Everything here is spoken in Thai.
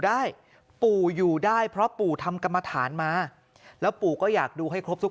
ได้ปู่อยู่ได้เพราะปู่ทำกรรมฐานมาแล้วปู่ก็อยากดูให้ครบทุก